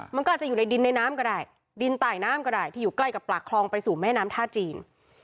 มันก็อาจจะอยู่ในดินในน้ำก็ได้ดินใต้น้ำก็ได้ที่อยู่ใกล้กับปากคลองไปสู่แม่น้ำท่าจีน